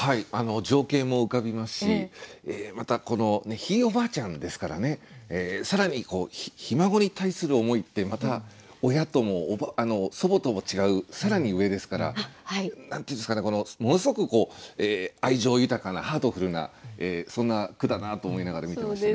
情景も浮かびますしまたひいおばあちゃんですからね更にひ孫に対する思いってまた親とも祖母とも違う更に上ですから何て言うんですかねものすごく愛情豊かなハートフルなそんな句だなと思いながら見てました。